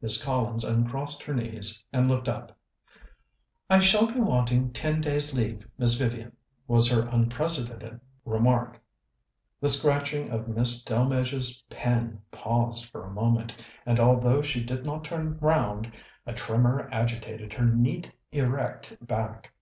Miss Collins uncrossed her knees, and looked up. "I shall be wanting ten days' leave, Miss Vivian," was her unprecedented remark. The scratching of Miss Delmege's pen paused for a moment, and, although she did not turn round, a tremor agitated her neat, erect back.